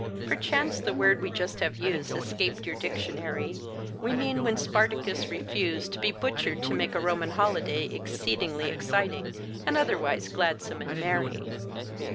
(Perchance the word we just have used Escaped your dictionary. We mean when Spartacus refused To be butchered to make a Roman holiday exceedingly exciting and otherwise gladsome and merry.)